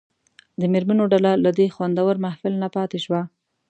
د مېرمنو ډله له دې خوندور محفل نه پاتې شوه.